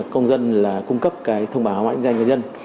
công dân là cung cấp cái thông báo định danh của nhân